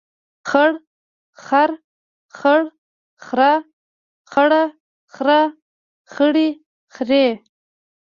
خړ خر، خړ خره، خړه خره، خړې خرې.